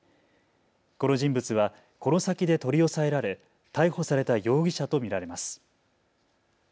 この人物はこの先で取り押さえられ逮捕された容疑者と見られます。